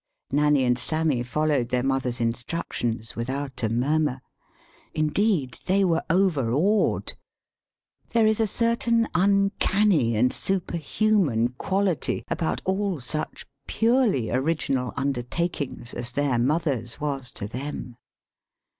[Nanny and Sammy followed their mother's instructions without a murmur; indeed, they 172 THE SHORT STORY were overawed. There is a certain uncanny and superhuman quality about all such purely original undertakings as their mother's was to them.